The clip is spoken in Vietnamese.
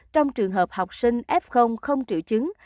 trong trường hợp học sinh f không triệu chứng